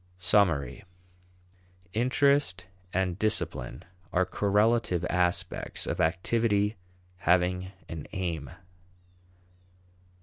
Summary. Interest and discipline are correlative aspects of activity having an aim.